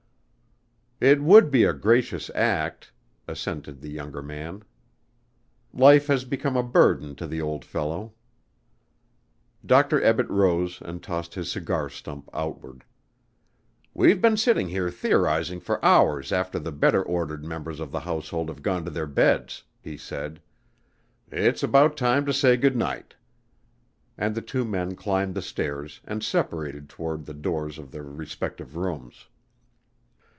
"It would be a gracious act," assented the younger man. "Life has become a burden to the old fellow." Dr. Ebbett rose and tossed his cigar stump outward. "We've been sitting here theorizing for hours after the better ordered members of the household have gone to their beds," he said. "It's about time to say good night." And the two men climbed the stairs and separated toward the doors of their respective rooms.